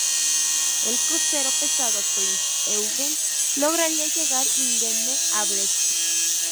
El crucero pesado "Prinz Eugen" lograría llegar indemne a Brest.